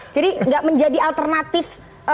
jadi gak menjadi alternatif